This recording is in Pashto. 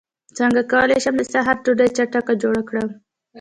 څنګه کولی شم د سحر ډوډۍ چټکه جوړه کړم